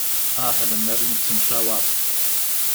Ah lemmer i nettemcawaṛ.